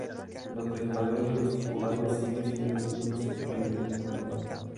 Los presentadores y los jurados siguen siendo los mismos que la segunda temporada.